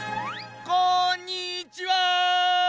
こんにちは！